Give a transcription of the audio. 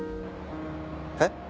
えっ？